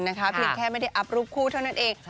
เพียงแค่ไม่ได้อัพรูปคู่เท่านั้นเอง